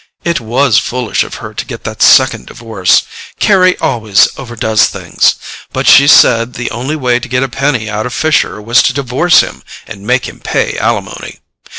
It WAS foolish of her to get that second divorce—Carry always overdoes things—but she said the only way to get a penny out of Fisher was to divorce him and make him pay alimony.